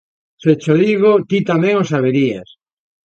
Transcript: Se cho digo, ti tamén o saberías.